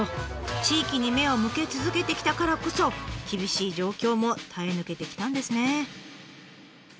地域に目を向け続けてきたからこそ厳しい状況も耐え抜けてきたんですね。